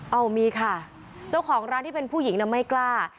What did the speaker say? เอามีค่ะเจ้าของร้านที่เป็นผู้หญิงน่ะไม่กล้า